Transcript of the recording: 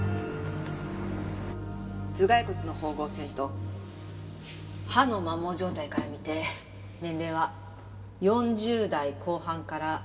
頭蓋骨の縫合線と歯の摩耗状態から見て年齢は４０代後半から５０代。